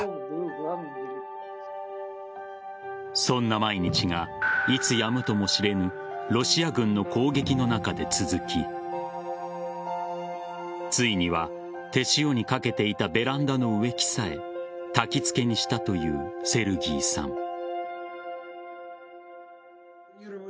そんな毎日がいつやむとも知れぬロシア軍の攻撃の中で続きついには、手塩にかけていたベランダの植木さえたき付けにしたというセルギーさん。